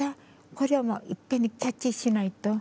これをいっぺんにキャッチしないと。